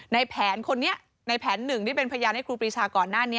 ในแผนคนนี้ในแผนหนึ่งที่เป็นพยานให้ครูปรีชาก่อนหน้านี้